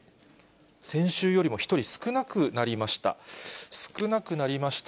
先週よりも１人少なくなりました。